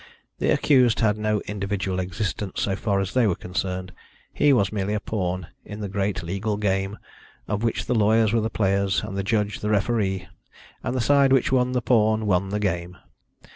The accused had no individual existence so far as they were concerned: he was merely a pawn in the great legal game, of which the lawyers were the players and the judge the referee, and the side which won the pawn won the game.